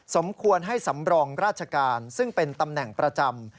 สมควรให้สำรองราชการซึ่งเป็นตำแหน่งประจำ